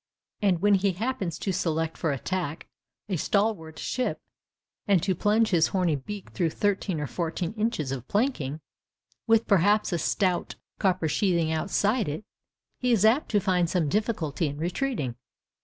And when he happens to select for attack a stalwart ship, and to plunge his horny beak through thirteen or fourteen inches of planking, with perhaps a stout copper sheathing outside it, he is apt to find some little difficulty in retreating.